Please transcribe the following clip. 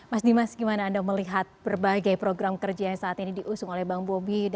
mas dimas gimana anda melihat berbagai program kerja yang saat ini diusung oleh bang bobi